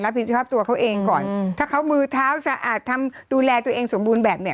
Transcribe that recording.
ผิดชอบตัวเขาเองก่อนถ้าเขามือเท้าสะอาดทำดูแลตัวเองสมบูรณ์แบบเนี่ย